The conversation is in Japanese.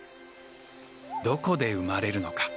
どこで生まれるのか？